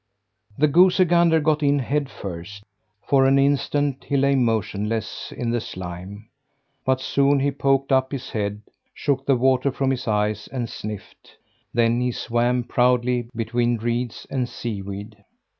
The goosey gander got in head first. For an instant he lay motionless in the slime, but soon he poked up his head, shook the water from his eyes and sniffed. Then he swam, proudly, between reeds and seaweed.